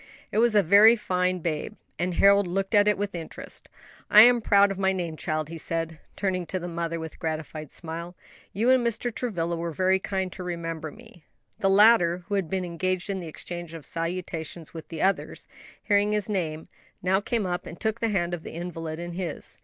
It was a very fine babe, and Harold looked at it with interest. "I am proud of my name child," he said, turning to the mother with a gratified smile. "You and Mr. Travilla were very kind to remember me." The latter, who had been engaged in the exchange of salutations with the others, hearing his name, now came up and took the hand of the invalid in his.